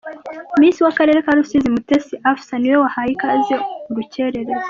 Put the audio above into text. Miss wa karere ka Rusizi Mutesi Afsa niwe wahaye ikaze Urukerereza.